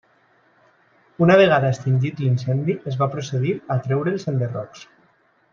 Una vegada extingit l'incendi, es va procedir a treure els enderrocs.